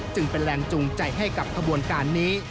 จึงเป็นแรงจูงใจให้กับขบวนการนี้